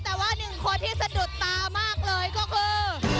แต่ว่าหนึ่งคนที่สะดุดตามากเลยก็คือ